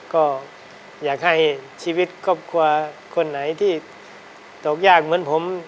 ก็อยากให้ชีวิตครอบครัวคนไหนที่ตกยากเหมือนผม